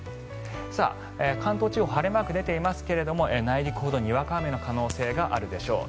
関東地方晴れマーク出ていますが内陸ほどにわか雨の可能性があるでしょう。